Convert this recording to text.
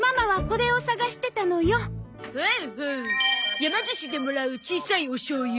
やま寿司でもらう小さいおしょうゆ。